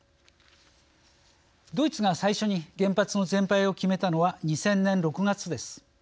ドイツが最初に原発の全廃を決めたのは２０００年６月です。